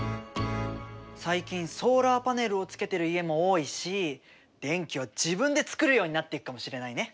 最近ソーラーパネルをつけてる家も多いし電気は自分でつくるようになっていくかもしれないね。